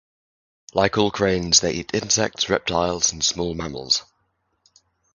Like all cranes, they eat insects, reptiles, and small mammals.